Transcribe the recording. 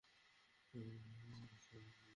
এ যে এক কিশোর!